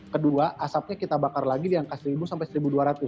kedua asapnya kita bakar lagi di angka seribu sampai seribu dua ratus